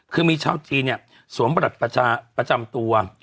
คือมีชาว๑๐เนี่ยสวมประจำตัว